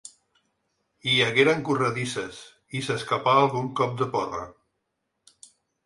Hi hagueren corredisses, i s'escapà algun cop de porra.